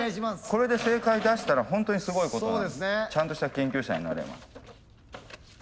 これで正解出したらホントにすごいことなんでちゃんとした研究者になれます。